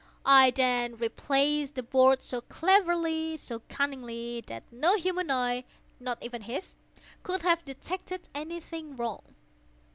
I then replaced the boards so cleverly, so cunningly, that no human eye—not even his—could have detected any thing wrong.